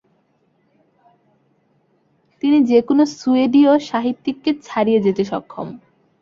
তিনি যেকোন সুয়েডীয় সাহিত্যিককে ছাড়িয়ে যেতে সক্ষম।